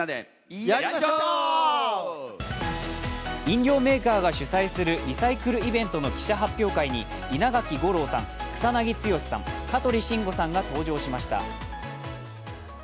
飲料メーカーが主催するリサイクルイベントの記者発表会に稲垣吾郎さん、草なぎ剛さん、香取慎吾さんが登場しました。